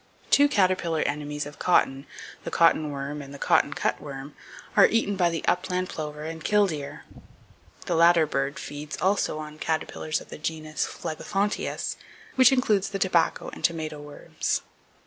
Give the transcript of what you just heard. Two caterpillar enemies of cotton, the cotton worm and the cotton cutworm, are eaten by the upland plover and killdeer. The latter bird feeds also on caterpillars of the genus Phlegethontius, which includes, the tobacco and tomato worms.